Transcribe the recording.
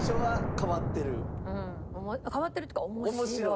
変わってるっていうか面白い。